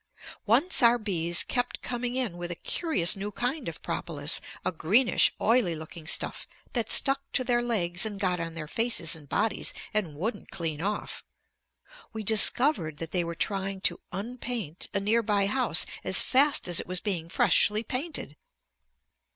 Once our bees kept coming in with a curious new kind of propolis; a greenish oily looking stuff that stuck to their legs and got on their faces and bodies and wouldn't clean off. We discovered that they were trying to unpaint a near by house as fast as it was being freshly painted!